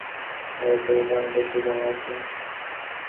যেমন প্রত্যেক বিজ্ঞানের একটি স্বকীয় পদ্ধতি আছে, তেমনি প্রত্যেক ধর্মেরও আছে।